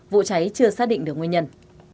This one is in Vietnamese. vụ cháy chưa xác định được nguyên nhân